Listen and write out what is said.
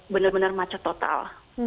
benar benar macep total